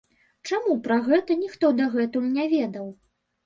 Чаму пра гэта ніхто дагэтуль не ведаў?